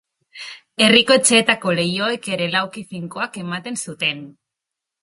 Herriko etxeetako leihoek ere lauki finkoak ematen zuten.